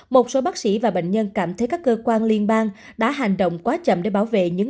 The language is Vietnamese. một số bác sĩ và bệnh nhân cảm thấy các cơ quan liên bang đã hành động quá chậm để bảo vệ những